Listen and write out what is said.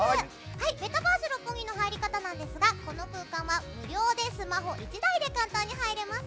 メタバース六本木の入り方ですがこの空間は無料でスマホ１台で簡単に入れます。